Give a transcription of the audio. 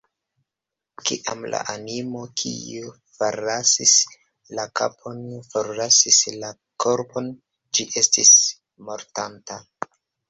Kiam la animo, kiu forlasis la kapon, forlasis la korpon, ĝi estis mortanta.